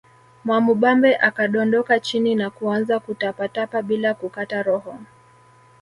Mwamubambe akadondoka chini na kuanza kutapatapa bila kukata roho